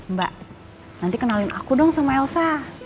mbak nanti kenalin aku dong sama elsa